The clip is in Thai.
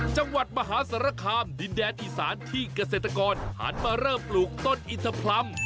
จังหวัดมหาสารคามดินแดนอีสานที่เกษตรกรหันมาเริ่มปลูกต้นอินทพรรม